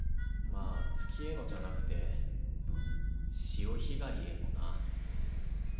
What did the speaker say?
まあ月へのじゃなくて潮ひがりへのな。